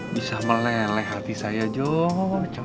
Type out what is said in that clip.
bisa meleleh hati saya jong